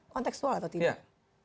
kontekstual atau tidak